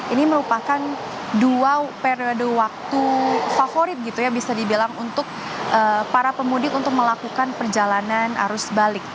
ini merupakan dua periode waktu favorit gitu ya bisa dibilang untuk para pemudik untuk melakukan perjalanan arus balik